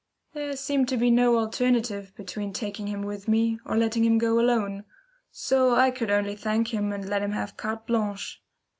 There seemed to be no alternative between taking him with me, or letting him go alone; so I could only thank him and let him have carte blanche.